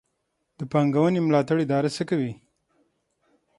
د پانګونې ملاتړ اداره څه کوي؟